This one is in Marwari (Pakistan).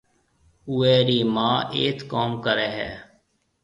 اُوئي رِي مان هيَٿ ڪوم ڪريَ هيَ۔